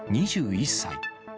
２１歳。